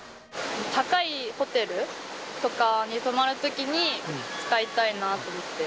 高いホテルとかに泊まるときに、使いたいなと思って。